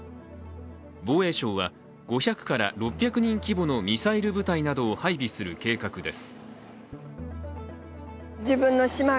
防衛省は５００６００人規模のミサイル部隊などを配備する計画です。